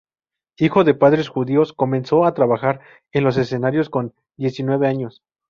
Hijo de padres judíos, comenzó a trabajar en los escenarios con diecinueve años.